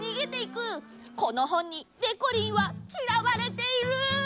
この本にでこりんはきらわれている！